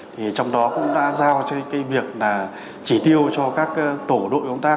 trong đó cũng đã giao cho việc chỉ tiêu cho các tổ đội công tác